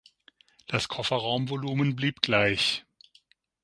Das Kofferraumvolumen blieb gleich.